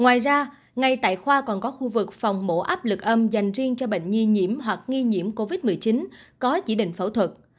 ngoài ra ngay tại khoa còn có khu vực phòng mổ áp lực âm dành riêng cho bệnh nhi nhiễm hoặc nghi nhiễm covid một mươi chín có chỉ định phẫu thuật